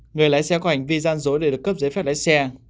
người lái xe có hành vi gian dối để được cấp giấy phép lái xe